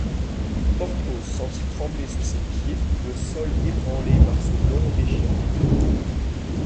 Porthos sentit trembler sous ses pieds le sol ébranlé par ce long déchirement.